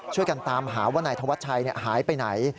ช่วยกันตามหาว่านายธวัชชัยหายไปไหน